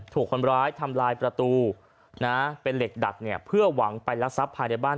ถูกคนร้ายทำลายประตูนะเป็นเหล็กดัดเนี่ยเพื่อหวังไปรักทรัพย์ภายในบ้าน